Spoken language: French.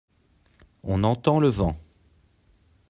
On entend le vent.